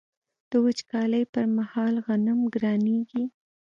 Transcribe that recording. د وچکالۍ پر مهال غنم ګرانیږي.